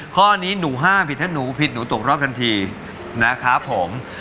ข้อนี้หนูห้ามผิดถ้าหนูผิดหนูตกรอบทันทีนะครับผม